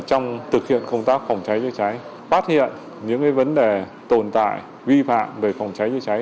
trong thực hiện công tác phòng cháy chữa cháy phát hiện những vấn đề tồn tại vi phạm về phòng cháy chữa cháy